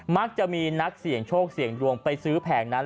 มักจะมีนักเสี่ยงโชคเสี่ยงดวงไปซื้อแผงนั้น